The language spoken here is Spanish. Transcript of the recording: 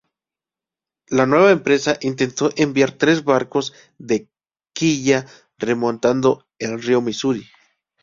La nueva empresa intentó enviar tres barcos de quilla remontando el río Misuri.